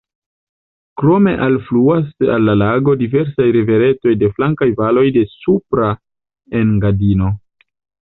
Krome alfluas al la lago diversaj riveretoj de flankaj valoj de Supra Engadino.